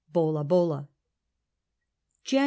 Bolabola / Jan.